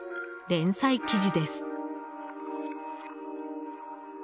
連載記事です。